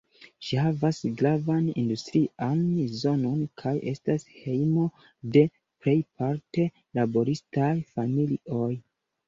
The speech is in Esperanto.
Ĝi havas gravan industrian zonon kaj estas hejmo de plejparte laboristaj familioj.